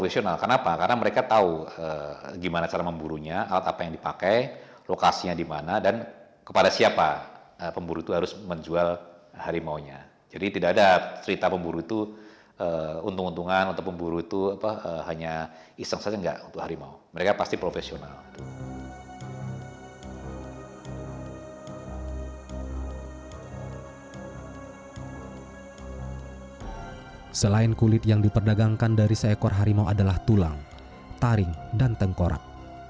selain kulit yang diperdagangkan dari seekor harimau adalah tulang taring dan tengkorak